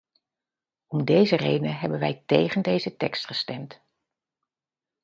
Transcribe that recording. Om deze redenen hebben wij tegen deze tekst gestemd.